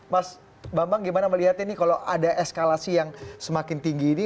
mas bambang gimana melihatnya ini kalau ada eskalasi yang semakin tinggi ini